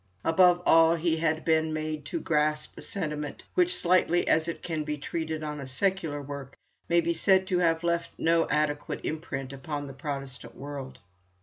Above all, he had been made to grasp a sentiment, which, slightly as it can be treated in a secular work, may be said to have left no adequate imprint upon the Protestant world.